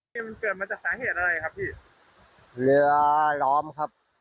นี่มันเกิดมาจากสาเหตุอะไรครับพี่เรือล้อมครับ